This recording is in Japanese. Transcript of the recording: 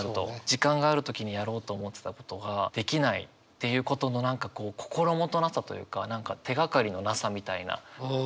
時間がある時にやろうと思ってたことができないっていうことの何かこう心もとなさというか手がかりのなさみたいな。